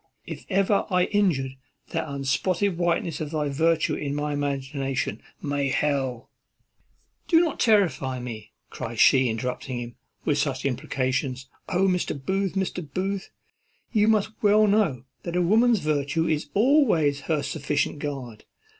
If ever I injured the unspotted whiteness of thy virtue in my imagination, may hell " "Do not terrify me," cries she, interrupting him, "with such imprecations. O, Mr. Booth! Mr. Booth! you must well know that a woman's virtue is always her sufficient guard.